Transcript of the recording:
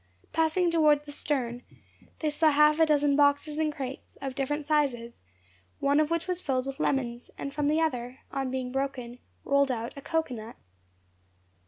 Passing towards the stern, they saw half a dozen boxes and crates, of different sizes, one of which was filled with lemons, and from the other, on being broken, rolled out a cocoanut.